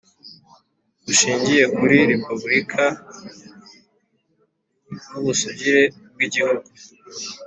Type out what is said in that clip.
Bushingiye kuri Repubulika n'ubusugire bw’igihugu